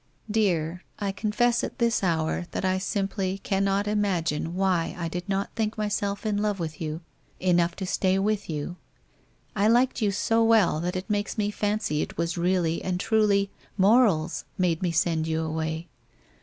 Dear, I confess at this hour that I simply cannot imag ine why I did not think myself in love with you enough to stay with you? I liked you so well, that it makes me fancy it was really and truly morals made me send you away.